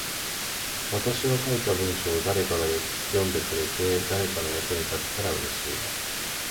私の書いた文章を誰かが読んでくれて、誰かの役に立ったら嬉しいな。